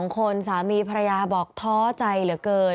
คนสามีภรรยาบอกท้อใจเหลือเกิน